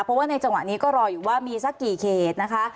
เพราะว่าในจังหวะนี้ก็รออยู่ว่ามีสักกี่เขตนะคะ